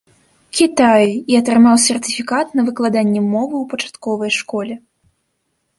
Кітаі і атрымаў сертыфікат на выкладанне мовы ў пачатковай школе.